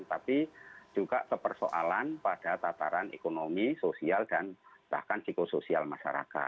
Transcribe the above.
tapi juga ke persoalan pada tataran ekonomi sosial dan bahkan psikosoik